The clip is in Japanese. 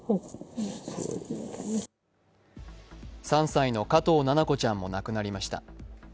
３歳の加藤七菜子ちゃんも亡くなりました。